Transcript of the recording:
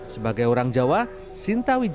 sebagai orang jawa sinta wijaya